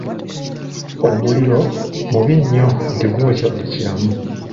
Omuliro mubi nnyo nti gwokya buli kiramu.